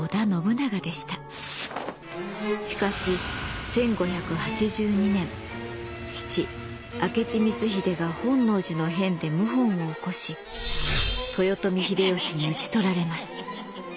しかし１５８２年父明智光秀が本能寺の変で謀反を起こし豊臣秀吉に討ち取られます。